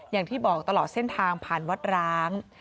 อย่างที่บอกตลอดเส้นทางผ่านวัดร้าง